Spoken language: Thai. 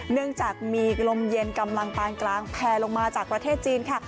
เนื่องจากมีลมเย็นกำลังปานกลางแพลลงมาจากประเทศจีนค่ะ